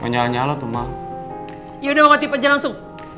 ya udah aku tipe jalan langsung